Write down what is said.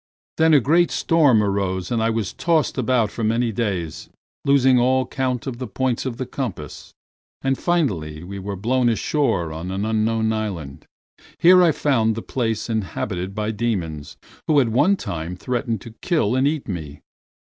Then a great storm arose and I was tossed about for many days, losing all count of the points of the compass, and finally we were blown ashore on an unknown island. Here I found the place inhabited by demons who at one time threatened to kill and eat me.